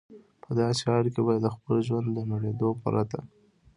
په داسې حال کې به یې د خپل ژوند د نړېدو پرته.